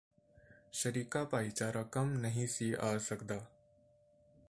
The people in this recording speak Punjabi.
ਸ਼ਰੀਕਾ ਭਾਈਚਾਰਾ ਕੰਮ ਨਹੀਂ ਸੀ ਆ ਸਕਦਾ